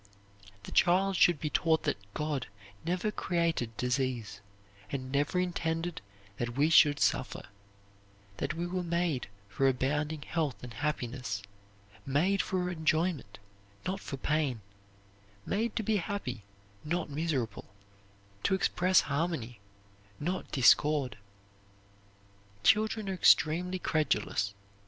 The child should be taught that God never created disease, and never intended that we should suffer; that we were made for abounding health and happiness, made for enjoyment not for pain made to be happy, not miserable, to express harmony, not discord. Children are extremely credulous.